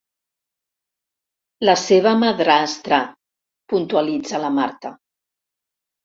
La seva madrastra –puntualitza la Marta.